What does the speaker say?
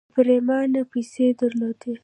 ده پرېمانه پيسې درلودې.